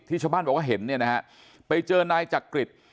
ชาวบ้านบอกว่าเห็นเนี่ยนะฮะไปเจอนายจักริต